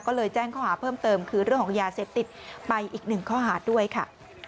ก็เลยแจ้งข้อหาเพิ่มเติมคือเรื่องของยาเสพติดไปอีกหนึ่งข้อหาด้วยค่ะ